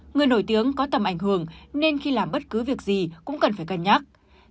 người nổi tiếng có tầm ảnh hưởng nên khi làm bất cứ việc gì cũng cần phải cân nhắc